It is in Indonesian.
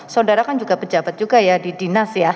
saudara kan juga pejabat juga ya di dinas ya